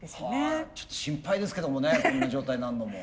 ちょっと心配ですけどもねこんな状態になるのも。